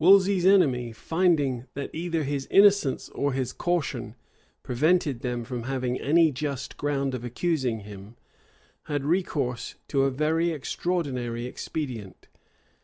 Wolsey's enemies, finding that either his innocence or his caution prevented them from having any just ground of accusing him, had recourse to a very extraordinary expedient.